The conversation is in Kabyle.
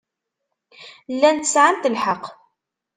Llant sɛant lḥeqq.